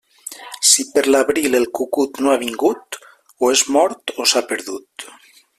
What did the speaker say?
Si per l'abril el cucut no ha vingut, o és mort o s'ha perdut.